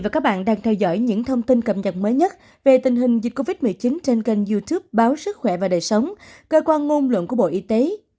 và các bạn đang theo dõi những thông tin cập nhật mới nhất về tình hình dịch covid một mươi chín trên kênh youtube báo sức khỏe và đời sống cơ quan ngôn luận của bộ y tế